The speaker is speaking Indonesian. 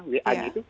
di dalam hp nya